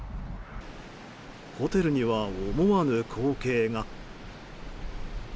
ホテルには思わぬ光景が。